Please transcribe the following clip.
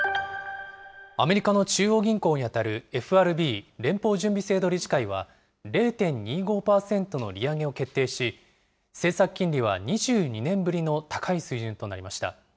アメリカの中央銀行に当たるＦＲＢ・連邦準備制度理事会は、０．２５％の利上げを決定し、政策金利は２２年ぶりの高い水準となりました。